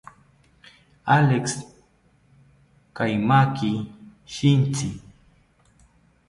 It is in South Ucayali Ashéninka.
Alex, kaimaki shintzi